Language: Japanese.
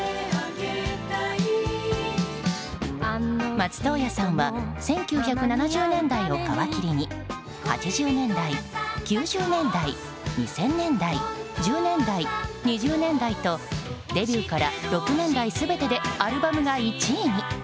松任谷さんは１９７０年代を皮切りに８０年代、９０年代２０００年代１０年代、２０年代とデビューから６年代全てでアルバムが１位に。